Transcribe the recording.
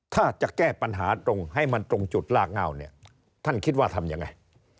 ถ้าจะแก้ปัญหาตรงให้มันตรงจุดลากเง่าเนี่ยท่านคิดว่าทำยังไง